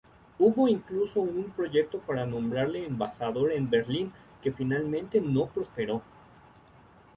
Hubo incluso un proyecto para nombrarle embajador en Berlín, que finalmente no prosperó.